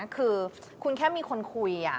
คือคุณแค่มีคนคุย